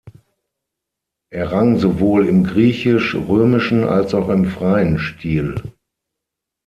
Er rang sowohl im griechisch-römischen als auch im freien Stil.